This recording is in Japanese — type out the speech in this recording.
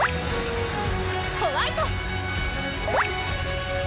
ホワイト！